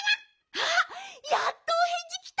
あっやっとおへんじきた。